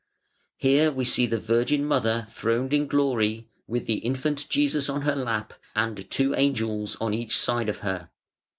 Here we see the Virgin mother throned in glory with the infant Jesus on her lap, and two angels on each side of her.